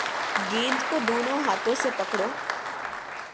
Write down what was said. گیند کو دونوں ہاتھوں سے پکڑو